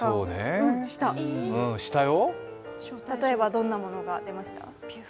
例えばどんなものが出ました？